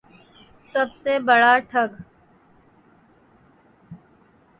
سب سے بڑا ٹھگ